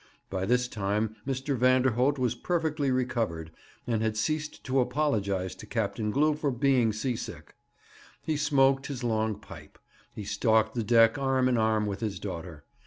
By this time Mr. Vanderholt was perfectly recovered, and had ceased to apologize to Captain Glew for being sea sick. He smoked his long pipe. He stalked the deck arm in arm with his daughter.